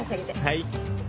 はい。